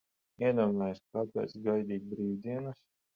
Iedomājos, kāpēc gaidīt brīvdienas?